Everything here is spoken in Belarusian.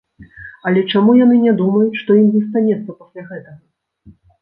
Але чаму яны не думаюць, што ім застанецца пасля гэтага?!